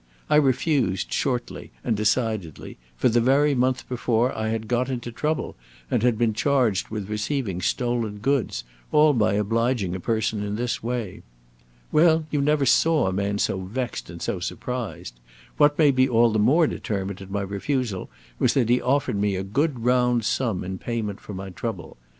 I refused, shortly and decidedly, for the very month before I had got into trouble and had been charged with receiving stolen goods, all by obliging a person in this way. Well, you never saw a man so vexed and so surprised. What made me all the more determined in my refusal was that he offered me a good round sum in payment for my trouble.